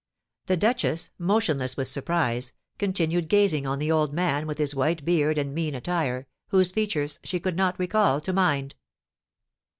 The duchess, motionless with surprise, continued gazing on the old man with his white beard and mean attire, whose features she could not recall to mind.